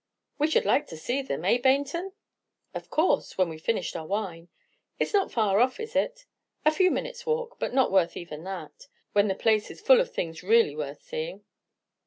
"We should like to see them, eh, Baynton?" "Of course, when we 've finished our wine. It's not far off, is it?" "A few minutes' walk; but not worth even that, when the place is full of things really worth seeing.